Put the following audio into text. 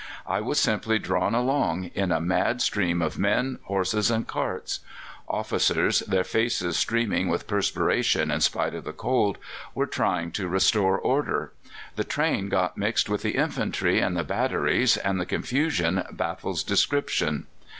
I was simply drawn along in a mad stream of men, horses, and carts. Officers, their faces streaming with perspiration in spite of the cold, were trying to restore order; the train got mixed with the infantry and the batteries, and the confusion baffles description.